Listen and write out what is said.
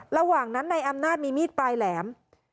ระหว่างนั้นในอำนาจมีมีดปลายแหลม